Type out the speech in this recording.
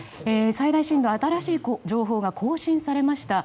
新しい情報が更新されました。